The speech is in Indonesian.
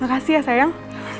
makasih ya sayang